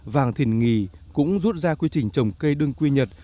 vàng thìn nghì cũng rút ra quy trình trồng cây đương quy nhật